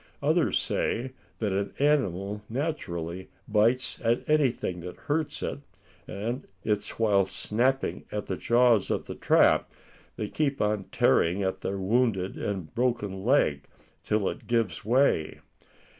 Others say that an animal naturally bites at anything that hurts it; and it's while snapping at the jaws of the trap they keep on tearing at their wounded and broken leg, till it gives way.